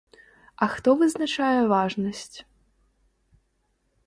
А хто вызначае важнасць?